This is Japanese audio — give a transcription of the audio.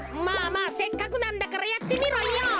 まあまあせっかくなんだからやってみろよ。